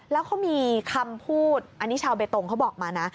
แล้วเขามีคำพูดอันนี้ชาวเบตงเขาบอกมานะ